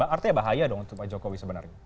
artinya bahaya dong untuk pak jokowi sebenarnya